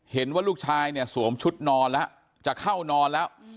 เห็นว่าลูกชายเนี่ยสวมชุดนอนแล้วจะเข้านอนแล้ว